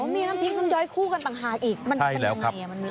มีน้ำพริกน้ำย้อยคู่กันต่างหากอีกมันเป็นยังไง